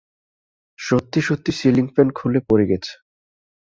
সত্যি-সত্যি ceiling fan খুলে পড়ে গেছে।